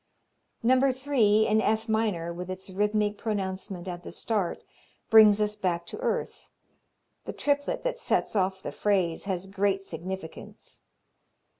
No. 3, in F minor, with its rhythmic pronouncement at the start, brings us back to earth. The triplet that sets off the phrase has great significance.